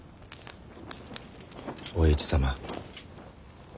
お市様。